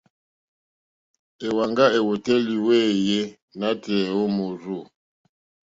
Èwàŋgá èwòtélì wéèyé nǎtɛ̀ɛ̀ nǒ mòrzô.